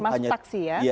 kemah sepaksi ya